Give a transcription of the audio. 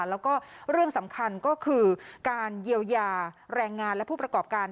แล้วก็เรื่องสำคัญก็คือการเยียวยาแรงงานและผู้ประกอบการ